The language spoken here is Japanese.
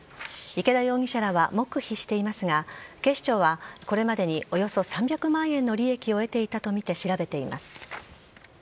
池田容疑者らは黙秘していますが警視庁は、これまでにおよそ３００万円の利益を得ていたとみて調べています。